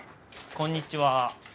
こんにちは。